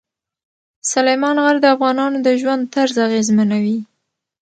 سلیمان غر د افغانانو د ژوند طرز اغېزمنوي.